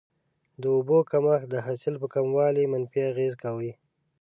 د اوبو کمښت د حاصل په کموالي منفي اغیزه کوي.